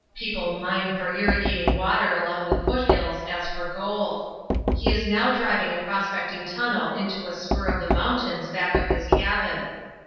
People mine for irrigating water along the foothills as for gold. He is now driving a prospecting tunnel into a spur of the mountains back of his cabin.